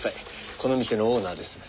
この店のオーナーです。